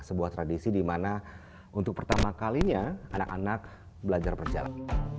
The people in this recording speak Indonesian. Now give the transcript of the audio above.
sebuah tradisi di mana untuk pertama kalinya anak anak belajar berjalan